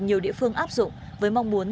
nhiều địa phương áp dụng với mong muốn